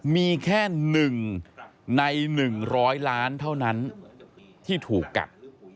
มีแค่๑ใน๑๐๐ล้านเท่านั้นที่ถูกกัด